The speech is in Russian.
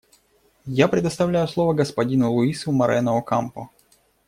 Я предоставляю слово господину Луису Морено-Окампо.